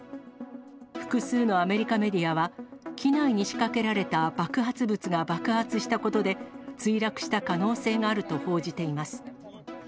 複数のアメリカメディアは、機内に仕掛けられた爆発物が爆発したことで、墜落した可能性があると報じています。